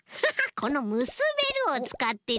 この「むすべる」をつかってですね。